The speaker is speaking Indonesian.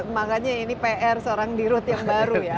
makanya ini pr seorang dirut yang baru ya